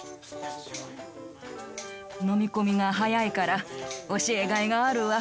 飲み込みが早いから教えがいがあるわ！